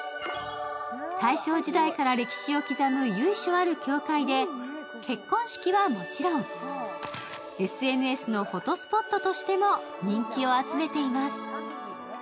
大正時代から歴史を刻む由緒ある教会で、結婚式はもちろん、ＳＮＳのフォトスポットとしても人気を集めています。